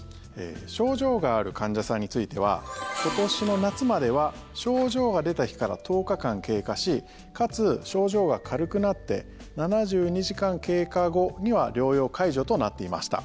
症状がある患者さんについては今年の夏までは症状が出た日から１０日間経過しかつ、症状が軽くなって７２時間経過後には療養解除となっていました。